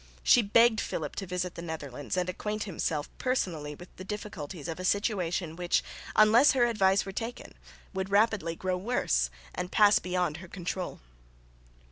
She begged Philip to visit the Netherlands and acquaint himself personally with the difficulties of a situation which, unless her advice were taken, would rapidly grow worse and pass beyond her control.